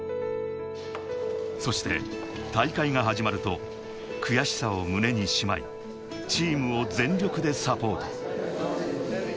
そして大会が始まると、悔しさを胸にしまい、チームを全力でサポート。